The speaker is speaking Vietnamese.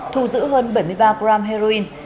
thu giữ hơn bảy mươi ba g heroin